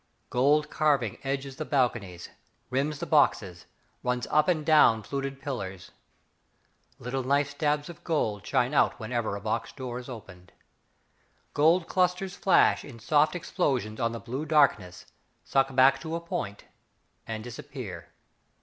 Gold carving edges the balconies, Rims the boxes, Runs up and down fluted pillars. Little knife stabs of gold Shine out whenever a box door is opened. Gold clusters Flash in soft explosions On the blue darkness, Suck back to a point, And disappear.